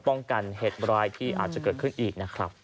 ป้องกันเหตุร้ายที่อาจจะเกิดขึ้นอีกนะครับ